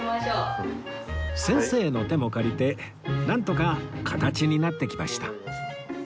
先生の手も借りてなんとか形になってきました